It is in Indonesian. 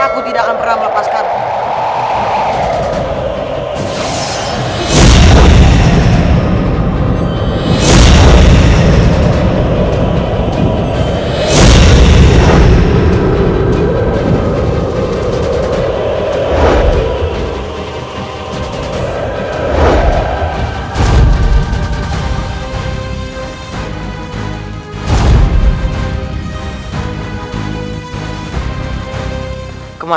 aku tidak akan pernah melepaskanmu